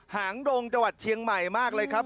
หางดงจังหวัดเชียงใหม่มากเลยครับ